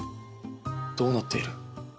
どうなっている？